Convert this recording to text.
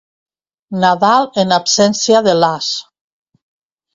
Nadal en absència de l'as.